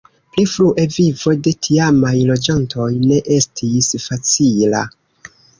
Pli frue vivo de tiamaj loĝantoj ne estis facila.